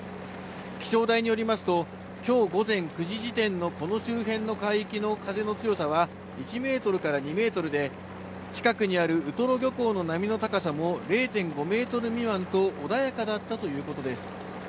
気象台によりますと、きょう午前９時時点のこの周辺の海域の風の強さは１メートルから２メートルで、近くにあるウトロ漁港の波の高さも０．５メートル未満と、穏やかだったということです。